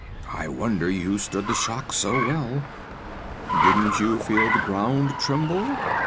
"I wonder you stood the shock so well. Didn't you feel the ground tremble?